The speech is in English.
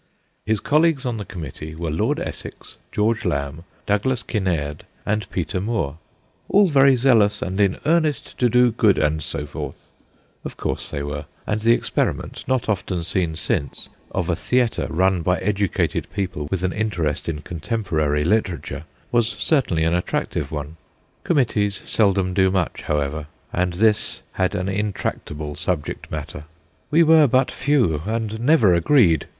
His colleagues on the Committee were Lord Essex, George Lamb, Douglas Kin naird, and Peter Moore 'all very zealous and in earnest to do good, and so forth/ Of course they were ; and the experiment, not often seen since, of a theatre run by edu cated people with an interest in contem porary literature, was certainly an attractive one. Committees seldom do much, however, and this had an intractable subject matter. ' We were but few, and never agreed